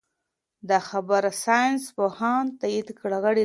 دا خبره ساینس پوهانو تایید کړې ده.